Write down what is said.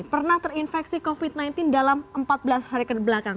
pernah terinfeksi covid sembilan belas dalam empat belas hari kebelakang